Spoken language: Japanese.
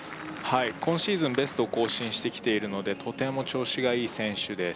はい今シーズンベストを更新してきているのでとても調子がいい選手です